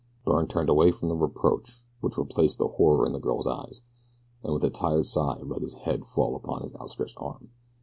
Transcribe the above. Byrne turned away from the reproach which replaced the horror in the girl's eyes, and with a tired sigh let his head fall upon his outstretched arm.